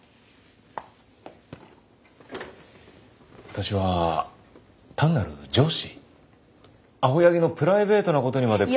私は単なる上司青柳のプライベートなことにまで。